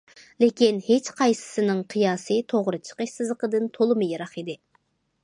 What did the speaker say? لېكىن ھېچقايسىسىنىڭ قىياسى توغرا چىقىش سىزىقىدىن تولىمۇ يىراق ئىدى.